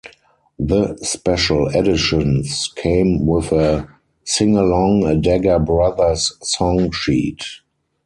The special editions came with a 'Singalong a Dagger Brothers' song sheet.